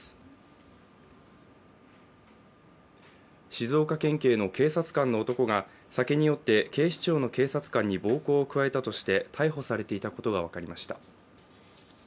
静岡県警の警察官の男が酒に酔って警視庁の警察官に暴行を加えたとして、逮捕されていたことが分かりました。